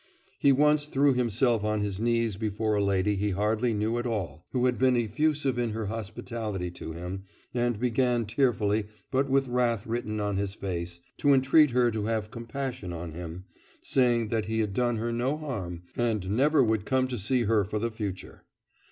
He once threw himself on his knees before a lady he hardly knew at all, who had been effusive in her hospitality to him and began tearfully, but with wrath written on his face, to entreat her to have compassion on him, saying that he had done her no harm and never would come to see her for the future.